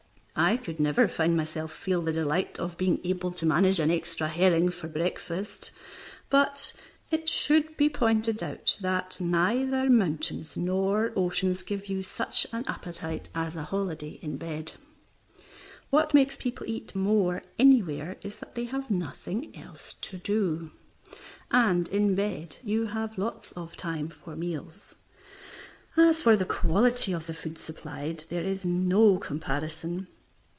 I could never myself feel the delight of being able to manage an extra herring for breakfast, but it should be pointed out that neither mountains nor oceans give you such an appetite as a holiday in bed. What makes people eat more anywhere is that they have nothing else to do, and in bed you have lots of time for meals. As for the quality of the food supplied, there is no comparison.